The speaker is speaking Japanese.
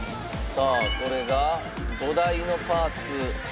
さあこれが土台のパーツ。